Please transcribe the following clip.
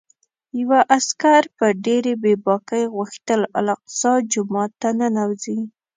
یوه عسکر په ډېرې بې باکۍ غوښتل الاقصی جومات ته ننوځي.